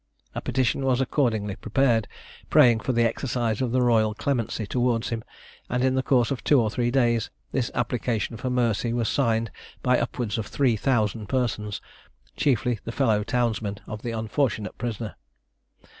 A petition was accordingly prepared, praying for the exercise of the royal clemency towards him, and in the course of two or three days, this application for mercy was signed by upwards of three thousand persons, chiefly the fellow townsmen of the unfortunate prisoner.